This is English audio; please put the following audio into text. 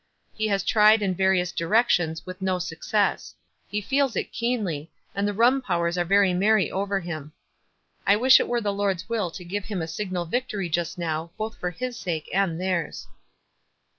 He has tried in various directions, with no success. He feels it keenly, and the rum powers are very merry over him. I wish it were the Lord's will to give him a signal victory just now, both for his sake and theirs."